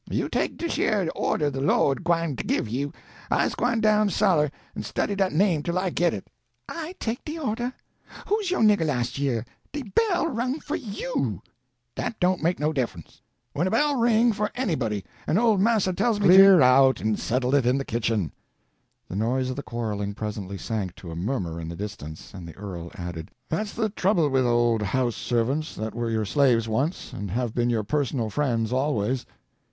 "You take dish yer order de lord gwine to give you I's gwine down suller and study dat name tell I git it." "I take de order! Who's yo' nigger las' year? De bell rung for you." "Dat don't make no diffunce. When a bell ring for anybody, en old marster tell me to—" "Clear out, and settle it in the kitchen!" The noise of the quarreling presently sank to a murmur in the distance, and the earl added: "That's a trouble with old house servants that were your slaves once and have been your personal friends always."